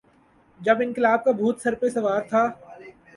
جب انقلاب کا بھوت سر پہ سوار تھا۔